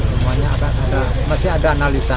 semuanya akan ada masih ada analisa